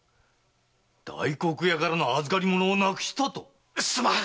大黒屋からの預り物を無くしたと⁉すまん！